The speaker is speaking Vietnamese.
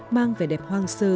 mang vẻ đẹp hoang sơ